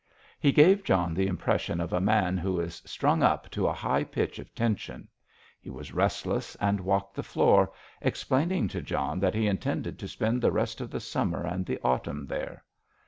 He gave John the impression of a man who is strung up to a high pitch of tension. He was restless and walked the floor, explaining to John that he intended to spend the rest of the summer and the autumn there.